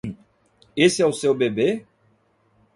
Esse é o seu bebê?